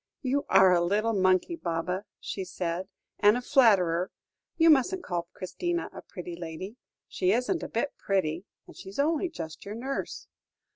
"You are a little monkey, Baba," she said, "and a flatterer. You mustn't call Christina a pretty lady. She isn't a bit pretty, and she's only just your nurse."